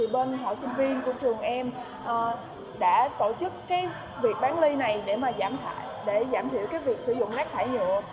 bên hội sinh viên của trường em đã tổ chức việc bán ly này để giảm thiểu việc sử dụng rác thải nhựa